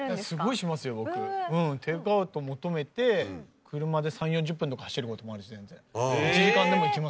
テイクアウト求めて車で３０４０分とか走ることもあるし全然１時間でも行きますよ。